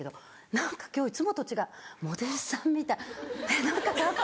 「何か今日いつもと違うモデルさんみたいカッコいい。